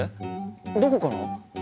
どこから？